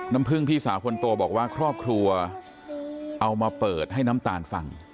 น้ำพึ่งพี่สาวคนโตบอกว่าครอบครัวเอามาเปิดให้น้ำตาลฟัง